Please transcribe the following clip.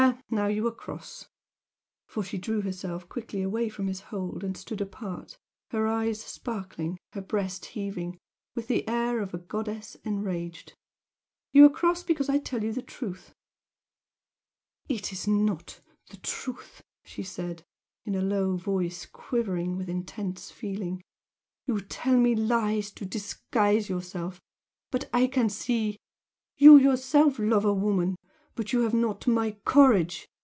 now you are cross!" for she drew herself quickly away from his hold and stood apart, her eyes sparkling, her breast heaving, with the air of a goddess enraged, "You are cross because I tell you the truth " "It is not the truth," she said, in a low voice quivering with intense feeling "you tell me lies to disguise yourself. But I can see! You yourself love a woman but you have not my courage!